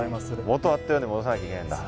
元あったように戻さなきゃいけないんだ。